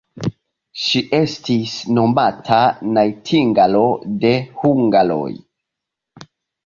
Ŝi estis nomata najtingalo de hungaroj.